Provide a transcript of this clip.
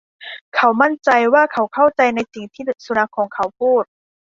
เขามั่นใจว่าเขาเข้าใจในสิ่งที่สุนัขของเขาพูด